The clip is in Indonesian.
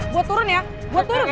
gue turun ya gue turun